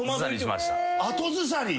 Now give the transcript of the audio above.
後ずさり。